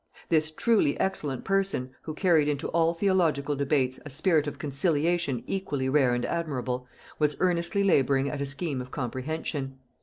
This truly excellent person, who carried into all theological debates a spirit of conciliation equally rare and admirable, was earnestly laboring at a scheme of comprehension.